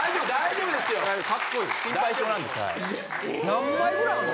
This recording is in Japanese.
何枚ぐらいあんの？